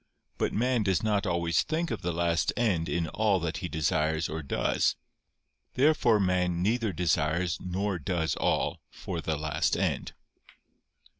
But man does not always think of the last end in all that he desires or does. Therefore man neither desires nor does all for the last end.